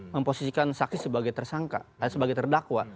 memposisikan saksi sebagai tersangka sebagai terdakwa